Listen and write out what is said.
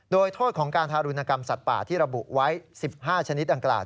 โดยโทษของการทารุณกรรมสัตว์ป่าที่ระบุไว้๑๕ชนิดดังกล่าว